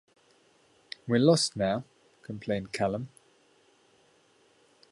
"We're lost now," complained Callum.